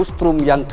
wustrum yang ke lima